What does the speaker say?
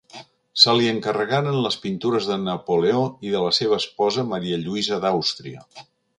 Se li encarregaren les pintures de Napoleó i de la seva esposa Maria Lluïsa d'Àustria.